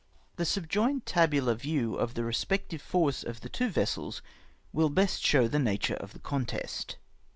The subjoined tabular view of the respective force of the two vessels will best show the nature of the contest.